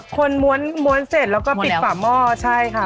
คนม้วนเสร็จแล้วก็ปิดฝาหม้อใช่ค่ะ